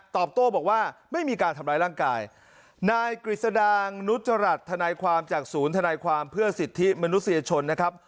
ตอบโต้บอกว่าไม่มีการทำร้ายร่างกายนายกฤษดางนุจรัฐทนายความจากศูนย์ธนายความเพื่อสิทธิมนุษยชนนะครับ